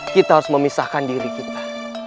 kita harus memisahkan diri kita